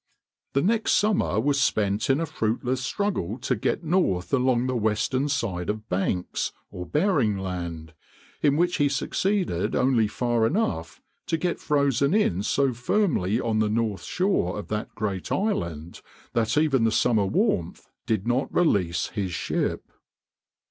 The next summer was spent in a fruitless struggle to get north along the western side of Banks (or Baring) Land, in which he succeeded only far enough to get frozen in so firmly on the north shore of that great island that even the summer warmth did not release his ship.